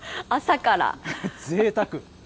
ぜいたく。